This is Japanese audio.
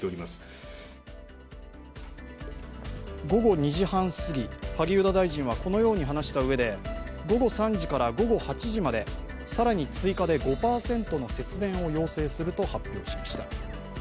午後２時半すぎ、萩生田大臣はこのように話したうえで午後３時から午後８時まで、さらに追加で５％の節電を要請すると発表しました。